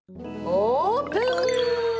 オープン！